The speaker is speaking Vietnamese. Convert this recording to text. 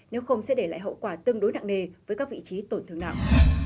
nếu không sẽ để lại hậu quả tương đối nặng nề với các vị trí tổn thương nặng